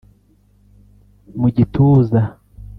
mu gituza